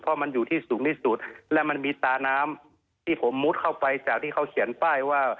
เพราะมันอยู่ที่สูงที่สุดและมันมีตาน้ำที่ผมมุดเข้าไปจากที่เขาเขียนป้ายว่า